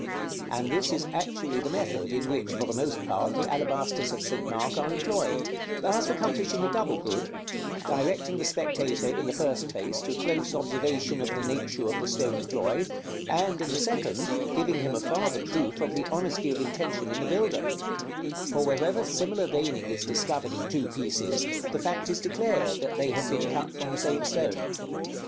And this is actually the method in which, for the most part, the alabasters of St. Mark are employed; thus accomplishing a double good, directing the spectator, in the first place, to close observation of the nature of the stone employed, and in the second, giving him a farther proof of the honesty of intention in the builder: for wherever similar veining is discovered in two pieces, the fact is declared that they have been cut from the same stone.